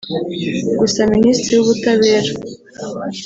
Gusa Minisitiri w’Ubutabera